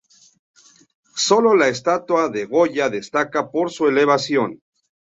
Solo la estatua de Goya destaca por su elevación.